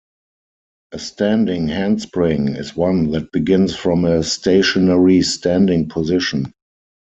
A "standing" handspring is one that begins from a stationary standing position.